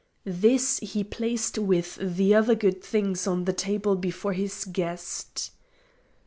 This he placed with the other good things on the table before his guest.